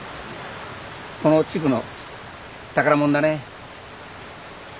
この地区の宝もんだね。